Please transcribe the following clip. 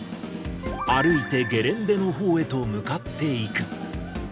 歩いてゲレンデのほうへと向かっていく。